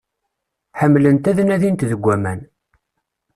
Ḥemmlent ad nadint deg aman.